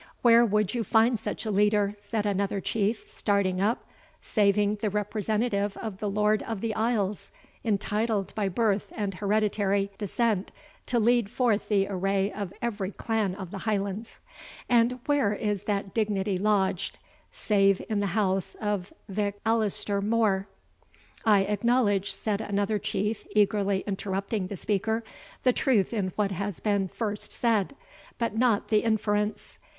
"Where would you find such a leader," said another Chief, starting up, "saving the representative of the Lord of the Isles, entitled by birth and hereditary descent to lead forth the array of every clan of the Highlands; and where is that dignity lodged, save in the house of Vich Alister More?" "I acknowledge," said another Chief, eagerly interrupting the speaker, "the truth in what has been first said, but not the inference.